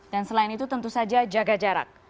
dan selain itu tentu saja jaga jarak